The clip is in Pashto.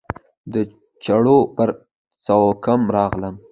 د چړو پر څوکو راغلم